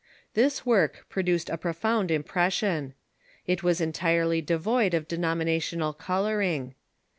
This work produced a profound im pression. It was entirely devoid of denominational coloring.